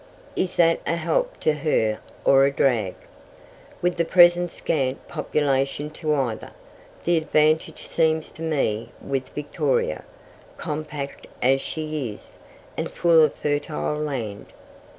Is that a help to her or a drag? With the present scant population to either, the advantage seems to me with Victoria, compact as she is, and full of fertile land.